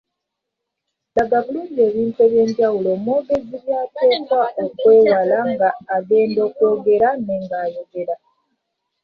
Laga bulungi ebintu eby’enjawulo omwogezi by’ateekwa okwewala nga agenda okwogera ne nga ayogera.